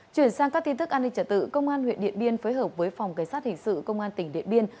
chuyển sang các tin tức an ninh trả tự công an huyện điện biên phối hợp với phòng cảnh sát hình sự công an tỉnh điện biên